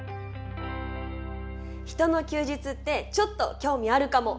人の休日ってちょっと興味あるかも。